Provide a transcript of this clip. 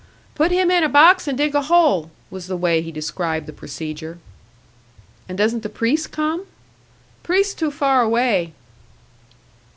"Put him in a box and dig a hole," was the way he described the procedure. "And doesn't the priest come?" "Priest too far away."